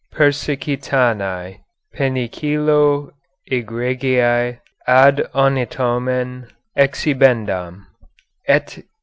Persicetanae Penicillo . Egregiae . Ad . Anatomen . Exhibendam Et